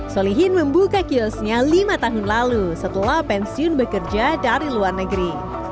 solihin membuka kiosnya lima tahun lalu setelah pensiun bekerja dari luar negeri